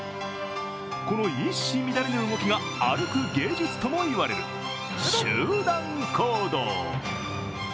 この一糸乱れぬ動きが歩く芸術とも言われる集団行動。